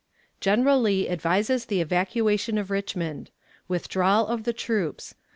General Lee advises the Evacuation of Richmond. Withdrawal of the Troops.